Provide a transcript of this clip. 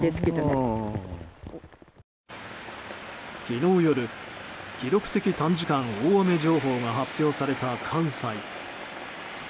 昨日夜記録的短時間大雨情報が発表された関西。